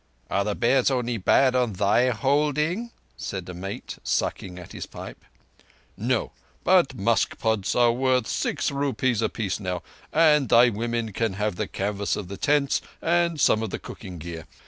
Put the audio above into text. "Are the bears only bad on thy holding? said a mate, sucking at the pipe. "No; but musk pods are worth six rupees apiece now, and thy women can have the canvas of the tents and some of the cooking gear.